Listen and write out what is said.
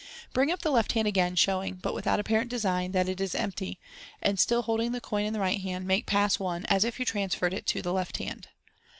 Bring up the left hand again, showing, but without apparent design, that it is empty j and still holding the coin in the right hand, make Pass 1, as if you trans ferred it to the left hand.